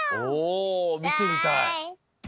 おみてみたい。